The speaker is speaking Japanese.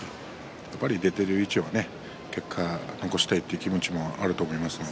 やはり出ている以上結果を残したいと気持ちもあると思いますから。